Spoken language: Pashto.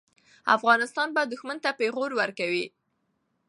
افغانان به دښمن ته پېغور ورکوي.